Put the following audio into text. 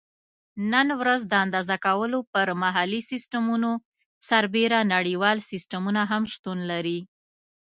نن ورځ د اندازه کولو پر محلي سیسټمونو سربیره نړیوال سیسټمونه هم شتون لري.